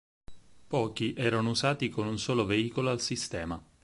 Pochi erano usati con un solo veicolo al sistema.